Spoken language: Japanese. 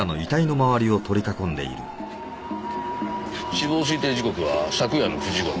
死亡推定時刻は昨夜の９時頃。